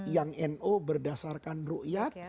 yang no berdasarkan ruqyat